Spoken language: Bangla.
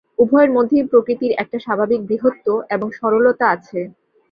উভয়ের মধ্যেই প্রকৃতির একটা স্বাভাবিক বৃহত্ত্ব এবং সরলতা আছে।